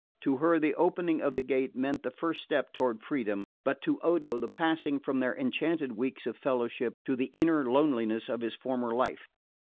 To her the opening of the gate meant the first step toward freedom, but to Odo the passing from their enchanted weeks of fellowship to the inner loneliness of his former life.